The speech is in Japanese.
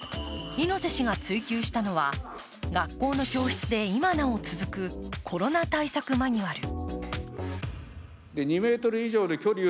猪瀬氏が追及したのは、学校の教室で今なお続くコロナ対策マニュアル。